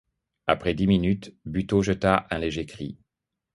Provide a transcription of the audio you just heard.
Après dix minutes, Buteau jeta un léger cri.